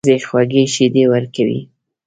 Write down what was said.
وزې خوږې شیدې ورکوي